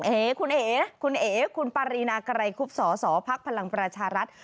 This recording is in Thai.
เอ๋คุณเอ๋คุณเอ๋คุณปรินากรัยคุบสอสอภักดิ์พลังประชารัฐ